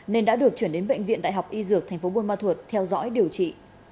nên đã được chuyển đến bệnh viện đại học y dược tp buôn ma thuột theo dõi điều trị